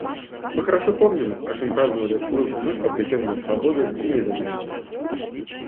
Мы хорошо помним, как мы праздновали свою вновь обретенную свободу и независимость.